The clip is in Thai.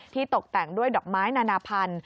ตกแต่งด้วยดอกไม้นานาพันธ์